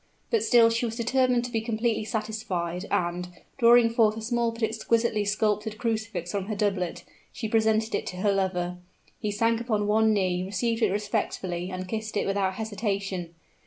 But still she was determined to be completely satisfied; and, drawing forth a small but exquisitely sculptured crucifix from her doublet, she presented it to her lover. He sank upon one knee, received it respectfully, and kissed it without hesitation.